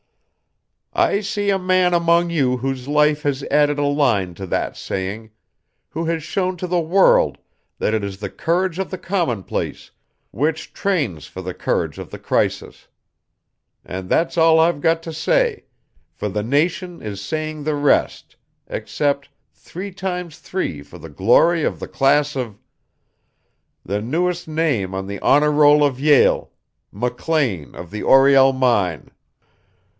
"I see a man among you whose life has added a line to that saying, who has shown to the world that it is the courage of the commonplace which trains for the courage of the crisis. And that's all I've got to say, for the nation is saying the rest except three times three for the glory of the class of , the newest name on the honor roll of Yale, McLean of the Oriel mine."